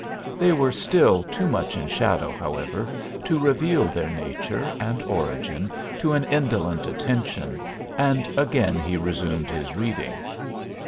They were still too much in shadow, however, to reveal their nature and origin to an indolent attention, and again he resumed his reading.